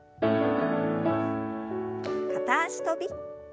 片脚跳び。